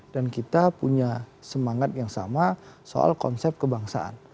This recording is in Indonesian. dan kita punya semangat yang sama soal konsep kebangsaan